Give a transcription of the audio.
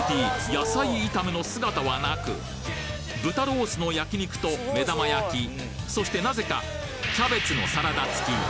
「野菜炒め」の姿はなく豚ロースの焼肉と目玉焼きそして何故かキャベツのサラダ付き